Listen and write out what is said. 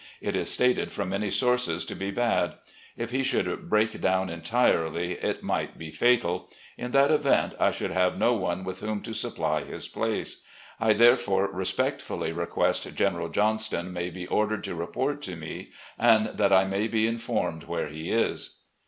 It is stated from many sources to be bad. If he should break down entirely, it might be fatal. In that event, I should have no one with whom to supply his place. I therefore respectfully request General Johnston may be ordered to report to me, and that I may be informed where he is."